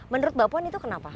menurut mbak puan itu kenapa